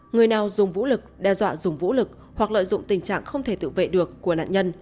người nào dùng vũ lực đe dọa dùng vũ lực hoặc lợi dụng tình trạng không thể tự vệ được của nạn nhân